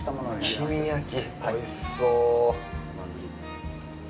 黄身焼き、おいしそう。